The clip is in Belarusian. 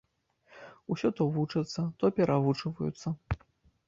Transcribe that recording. Усе то вучацца, то перавучваюцца.